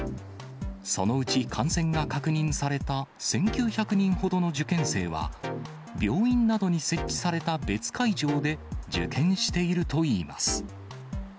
そのうち感染が確認された１９００人ほどの受験生は、病院などに設置された別会場で受験しているといいます。